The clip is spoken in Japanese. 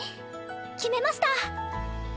決めました！